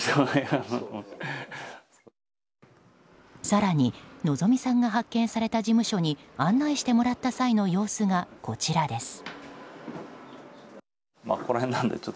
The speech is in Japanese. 更に希美さんが発見された事務所に案内してもらった際の様子がこちらです。